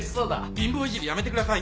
貧乏イジりやめてくださいよ。